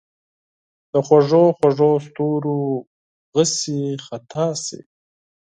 د خوږو، خوږو ستورو غشي خطا شي